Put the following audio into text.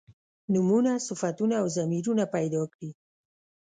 نومونه صفتونه او ضمیرونه پیدا کړي.